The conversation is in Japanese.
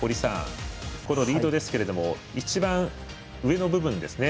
リードですけれども一番上の部分ですね